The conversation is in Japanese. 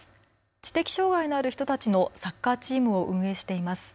知的障害のある人たちのサッカーチームを運営しています。